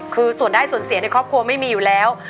คือส่วนได้ส่วนเสียในครอบครัวไม่มีอยู่แล้ว